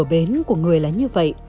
không chỉ là tình thương của người là như vậy